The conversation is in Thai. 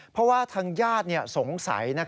เพราะว่าทางญาติสงสัย